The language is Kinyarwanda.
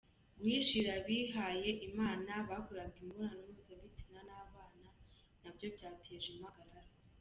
Guhishira abihaye Imana bakoraga imibonano mpuzabitsina n’abana nabyo byateje impagarara.